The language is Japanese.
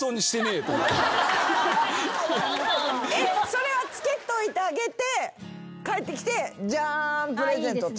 それはつけといてあげて帰ってきてジャーンプレゼント！ってしたんですか？